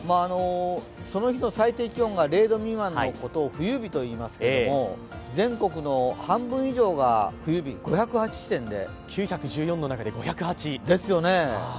その日の最低気温が０度未満のことを冬日といいますけれども全国の半分以上が冬日、９１４のうちで５０８。